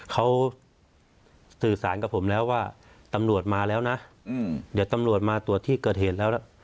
เขาสื่อสารกับผมแล้วว่าตำรวจมาแล้วนะเดี๋ยวตำรวจมาตรวจที่เกิดเหตุแล้ว